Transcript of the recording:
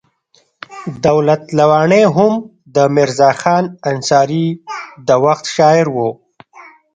دولت لواڼی هم د میرزا خان انصاري د وخت شاعر و.